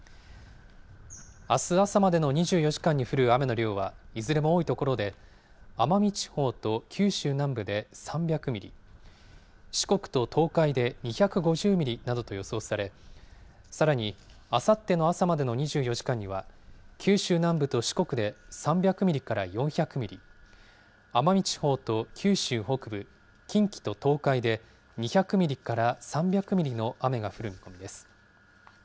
あす朝までの２４時間に降る雨の量はいずれも多い所で、奄美地方と九州南部で３００ミリ、四国と東海で２５０ミリなどと予想され、さらにあさっての朝までの２４時間には九州南部と四国で３００ミリから４００ミリ、奄美地方と九州北部、近畿と東海で２００ミリから３００ミリの雨が降る見込みです。